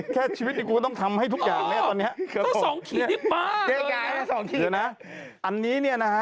แค่ชีวิตดิ๊กุ้งต้องทำให้ทุกอย่างเนี่ยตอนเนี่ย